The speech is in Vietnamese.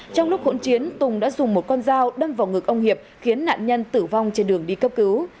trong lúc hỗn chiến tùng đã dùng một con dao đâm vào ngực ông hiệp khiến nạn nhân tử vong trên đường đi cấp cứu